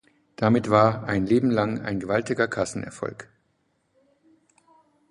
Damit war "Ein Leben lang" ein gewaltiger Kassenerfolg.